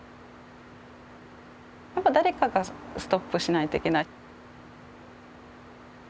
やっぱ誰かがストップしないといけない。